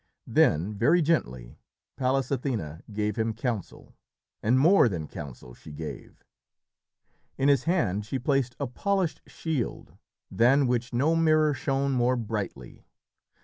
Then, very gently, Pallas Athené gave him counsel, and more than counsel she gave. In his hand she placed a polished shield, than which no mirror shone more brightly.